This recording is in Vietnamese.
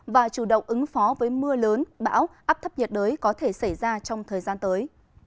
và chủ động ứng phó với mưa lớn bão áp thấp nhiệt đới có thể xảy ra trong thời gian tới